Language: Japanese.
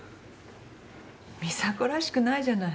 美佐子らしくないじゃない。